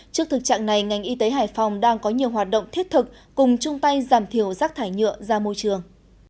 trước thực trạng này ngành y tế hải phòng đang có nhiều hoạt động thiết thực cùng chung tay giảm thiểu rác thải nhựa ra môi trường